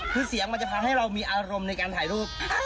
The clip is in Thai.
คือเสียงมันจะทำให้เรามีอารมณ์ในการถ่ายรูป